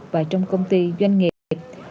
và trong công ty doanh nghiệp